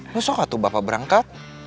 loh sok atuh bapak berangkat